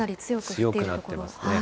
強くなってますね。